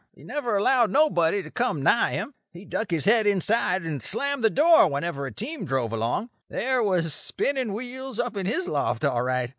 He never allowed nobody to come nigh him. He'd duck his head inside and slam the door whenever a team drove along. There was spinning wheels up in his loft, all right.